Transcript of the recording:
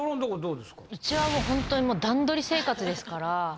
うちはもうほんとに段取り生活ですから。